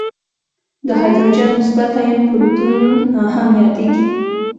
د هایدروجن مثبت آیون پروتون هم یادیږي.